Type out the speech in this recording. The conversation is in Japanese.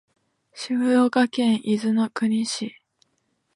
静岡県伊豆の国市